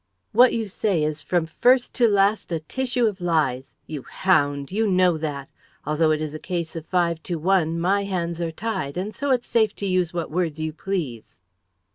"What you say is, from first to last, a tissue of lies. You hound! You know that! Although it is a case of five to one, my hands are tied, and so it's safe to use what words you please."